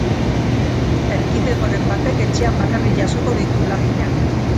Erkidegoren batek etxean bakarrik jasoko ditu laginak.